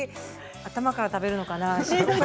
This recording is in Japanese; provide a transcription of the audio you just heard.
頭から食べるのかな？